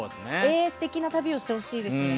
素敵な旅をしてほしいですね。